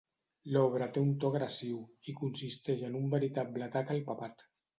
L'obra té un to agressiu, i consisteix en un veritable atac al Papat.